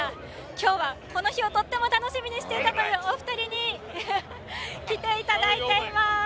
今日はこの日をとっても楽しみにしていたというお二人に来ていただいています。